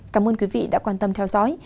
cảm ơn quý vị đã quan tâm theo dõi